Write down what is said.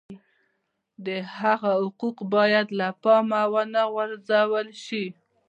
د هغه حقوق باید له پامه ونه غورځول شي.